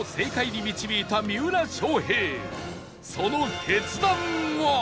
その決断は